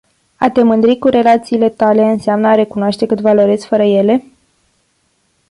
A te mândri cu relațiile tale înseamnă a recunoaște cât valorezi fără ele?